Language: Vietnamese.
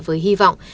với hy vọng